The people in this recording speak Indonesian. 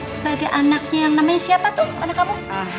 sebagai anaknya yang namanya siapa tuh anak kamu